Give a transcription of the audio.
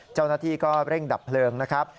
เจ้านักที่ก็เร่งดับเผลอนะครับ